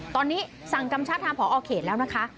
ตอนนี้สั่งกำชับทางผอเขตแล้วนะคะ